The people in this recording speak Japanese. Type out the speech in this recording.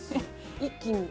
一気に。